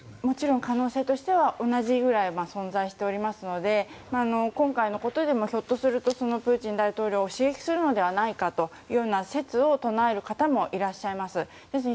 もちろん可能性としては同じぐらい存在しておりますので今回のことでひょっとするとプーチン大統領を刺激するのではないかという説を唱える方もいらっしゃいます。